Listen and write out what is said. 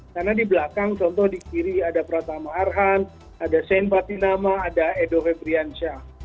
karena di belakang contoh di kiri ada pratama arhan ada sain patinama ada edove briantja